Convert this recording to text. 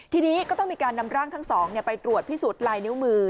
ทีนี้ก็ต้องมีการนำร่างทั้งสองไปตรวจพิสูจน์ลายนิ้วมือ